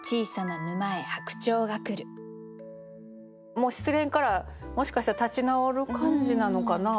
もう失恋からもしかしたら立ち直る感じなのかな。